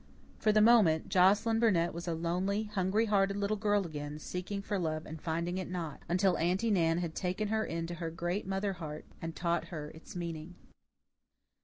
For the moment Joscelyn Burnett was a lonely, hungry hearted little girl again, seeking for love and finding it not, until Aunty Nan had taken her into her great mother heart and taught her its meaning.